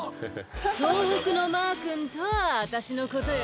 東北のマーくんとは私のことよ。